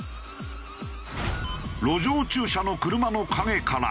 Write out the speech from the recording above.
路上駐車の車の陰から。